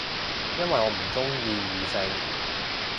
因為我唔鍾意異性